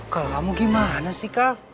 kal kamu gimana sih kal